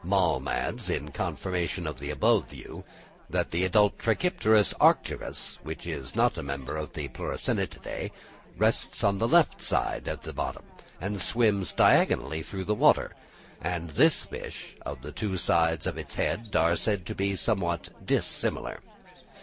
Malm adds, in confirmation of the above view, that the adult Trachypterus arcticus, which is not a member of the Pleuronectidæ, rests on its left side at the bottom, and swims diagonally through the water; and in this fish, the two sides of the head are said to be somewhat dissimilar.